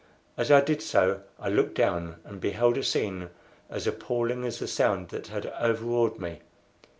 As I did so I looked down, and beheld a scene as appalling as the sound that had overawed me.